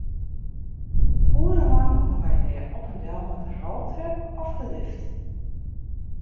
Oerenlang gongen wy dêr op en del mei de roltrep of de lift.